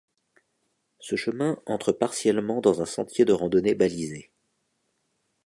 Ce chemin entre partiellement dans un sentier de randonnée balisé.